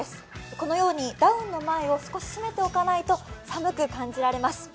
このようにダウンの前を少し閉めておかないと寒く感じられます。